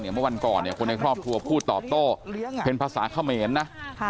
เมื่อวันก่อนเนี่ยคนในครอบครัวพูดตอบโต้เป็นภาษาเขมรนะ